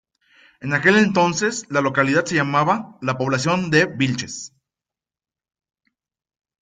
En aquel entonces la localidad se llamaba La Población de Vilches.